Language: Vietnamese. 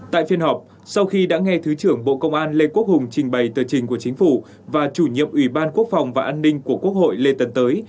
tại phiên họp sau khi đã nghe thứ trưởng bộ công an lê quốc hùng trình bày tờ trình của chính phủ và chủ nhiệm ủy ban quốc phòng và an ninh của quốc hội lê tấn tới